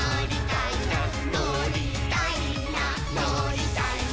「のりたいなのりたいな」